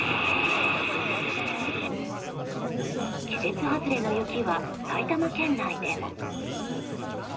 季節外れの雪は埼玉県内でも。